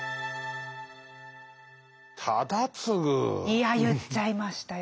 いや言っちゃいましたよ。